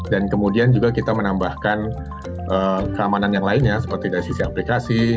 dan kemudian juga kita menambahkan keamanan yang lainnya seperti dari sisi aplikasi